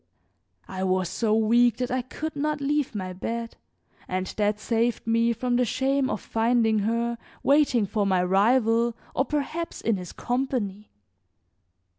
I was so weak that I could not leave my bed and that saved me from the shame of finding her waiting for my rival or perhaps in his company.